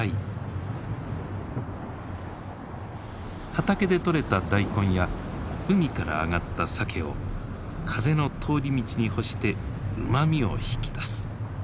畑で取れたダイコンや海から揚がったサケを風の通り道に干してうまみを引き出す。